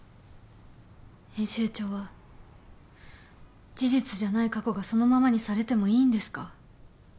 編集長は事実じゃない過去がそのままにされてもいいんですか？